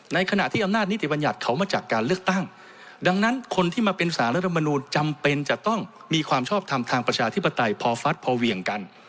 ขณะที่อำนาจนิติบัญญัติเขามาจากการเลือกตั้งดังนั้นคนที่มาเป็นสารรัฐมนูลจำเป็นจะต้องมีความชอบทำทางประชาธิปไตยพอฟัดพอเวียงกัน